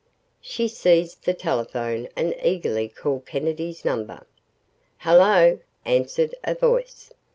She seized the telephone and eagerly called Kennedy's number. "Hello," answered a voice.